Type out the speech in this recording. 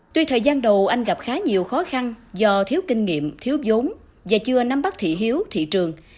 tuy thời gian đầu anh gặp khá nhiều khó khăn do thiếu kinh nghiệm thiếu giống và chưa nắm bắt thị hiếu thị trường